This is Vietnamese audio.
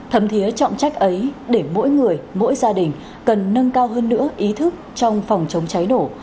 thấm thiế trọng trách ấy để mỗi người mỗi gia đình cần nâng cao hơn nữa ý thức trong phòng chống cháy nổ